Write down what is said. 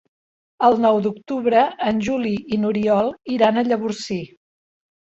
El nou d'octubre en Juli i n'Oriol iran a Llavorsí.